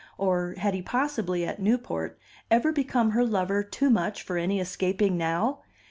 Or, had he possibly, at Newport, ever become her lover too much for any escaping now?